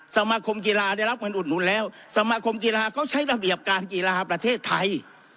สมาคมกีฬาได้รับเงินอุดหนุนแล้วสมาคมกีฬาเขาใช้ระเบียบการกีฬาประเทศไทย